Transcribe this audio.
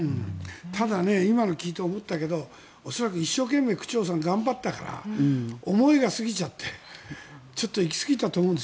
ただ、今の聞いて思ったけど一生懸命、区長さん頑張ったから思いが過ぎちゃってちょっと行きすぎたと思うんです